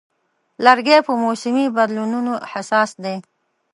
لرګی په موسمي بدلونونو حساس دی.